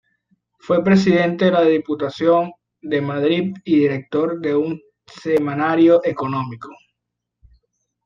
Fue presidente de la Diputación de Madrid y director de un semanario económico.